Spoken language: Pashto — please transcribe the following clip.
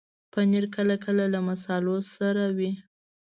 پنېر کله کله له مصالحو سره وي.